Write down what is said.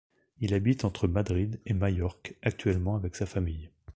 Il habite entre Madrid et Majorque actuellement avec sa famille.